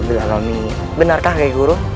benarkah kakek guru